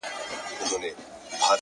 • لا صوفي له پښو څپلۍ نه وې ایستلې,